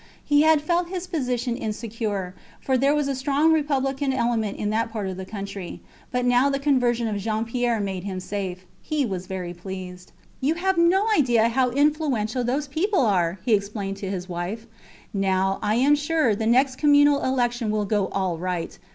He had felt his position insecure, for there was a strong republican element in that part of the country; but now the conversion of Jean Pierre made him safe. He was very pleased. You have no idea how influential those people are, he explained to his wife. Now, I am sure, the next communal election will go all right.